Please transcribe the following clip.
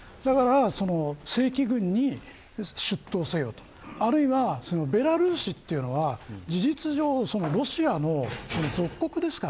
正規軍に出頭せよとあるいはベラルーシというのは事実上ロシアの属国です。